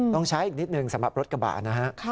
ต้องใช้อีกนิดนึงสำหรับรถกระบะนะฮะ